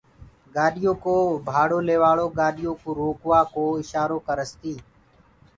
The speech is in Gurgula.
گآڏيو ڪو ڀاڙو ليوآݪو گآڏيو ڪو روڪوآ ڪو اشآرو ڪرس تيٚ